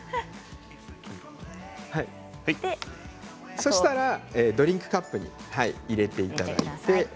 そうしたらドリンクカップに入れていただいて。